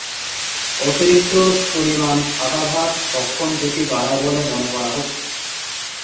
অতিরিক্ত পরিমাণ সাদা ভাত ভক্ষণ ঝুঁকি বাড়ায় বলে মনে করা হচ্ছে।